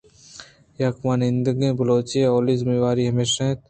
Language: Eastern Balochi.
یک وانِندگ بلوچے ءِ اولی زمہ واری ھمیش اِنت